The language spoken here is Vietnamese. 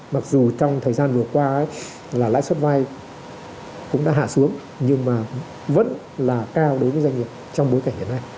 mặc dù trong thời gian vừa qua là lãi suất vay cũng đã hạ xuống nhưng mà vẫn là cao đối với doanh nghiệp trong bối cảnh hiện nay